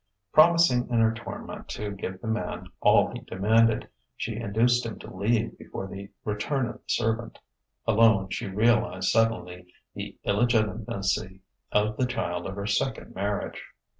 Promising in her torment to give the man all he demanded, she induced him to leave before the return of the servant.... Alone she realized suddenly the illegitimacy of the child of her second marriage.